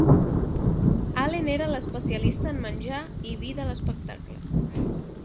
Allen era l'especialista en menjar i vi de l'espectacle.